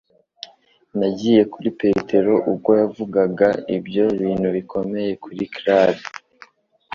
Nagiye kuri Petero ubwo yavugaga ibyo bintu biteye ubwoba kuri Clare